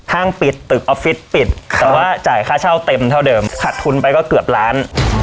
ปิดตึกออฟฟิศปิดแต่ว่าจ่ายค่าเช่าเต็มเท่าเดิมขัดทุนไปก็เกือบล้าน